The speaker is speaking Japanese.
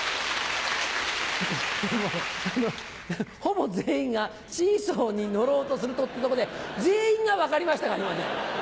ほぼ全員が「シーソーに乗ろうとすると」ってとこで全員が分かりましたからね。